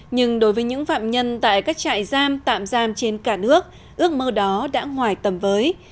nhưng đối với những phạm nhân tại các trại giam tạm giam trên cả nước ước mơ đó đã ngoài tầm với